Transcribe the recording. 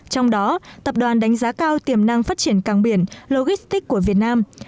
trong đó tập đoàn đánh giá cao tiềm năng phát triển càng biển logistic của việt nam